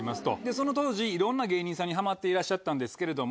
その当時いろんな芸人さんにハマっていらっしゃったんですけれども。